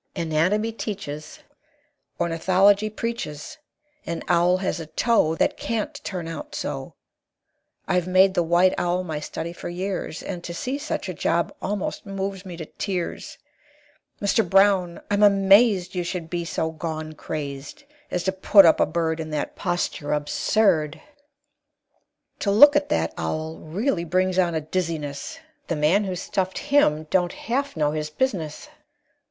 Anatomy teaches, Ornithology preaches, An owl has a toe That can't turn out so! I've made the white owl my study for years, And to see such a job almost moves me to tears! Mr. Brown, I'm amazed You should be so gone crazed As to put up a bird In that posture absurd! To look at that owl really brings on a dizziness; The man who stuffed him don't half know his business!"